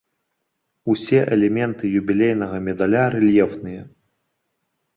Усе элементы юбілейнага медаля рэльефныя.